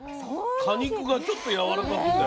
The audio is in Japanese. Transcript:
果肉がちょっとやわらかくて。